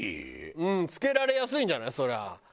うん付けられやすいんじゃない？